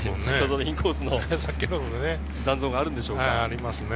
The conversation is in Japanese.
インコースの残像があるんでしょうか。